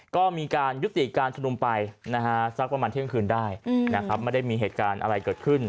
ก็มีการยุติการชุมนุมไปนะฮะสักประมาณเที่ยงคืนได้ไม่ได้มีเหตุการณ์อะไรเกิดขึ้น